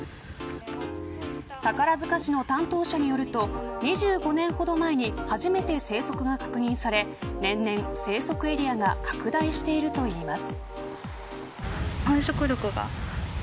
宝塚市の担当者によると２５年ほど前に初めて生息が確認され年々生息エリアが拡大しているといいます。